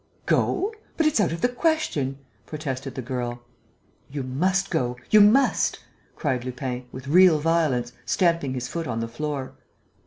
"Go? But it's out of the question!" protested the girl. "You must go, you must!" cried Lupin, with real violence, stamping his foot on the floor.